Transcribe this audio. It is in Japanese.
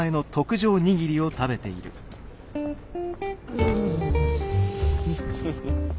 うんフフ。